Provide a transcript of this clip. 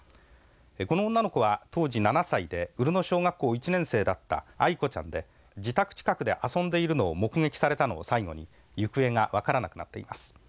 この女の子は当時７歳で潤野小学校１年生だったアイコちゃんで自宅近くで遊んでいるのを目撃されたのを最後に行方が分からなくなっています。